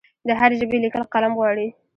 د هرې ژبې لیکل قلم غواړي.